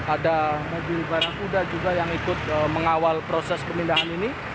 ada baju barakuda juga yang ikut mengawal proses pemindahan ini